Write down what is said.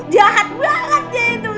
jahat banget dia itu